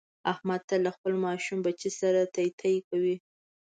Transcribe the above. احمد تل له خپل ماشوم بچي سره تی تی کوي.